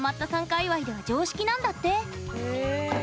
界わいでは常識なんだって。